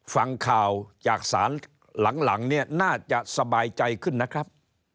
ฟังข่าวจากศาลหลังเนี่ยน่าจะสบายใจขึ้นนะครับ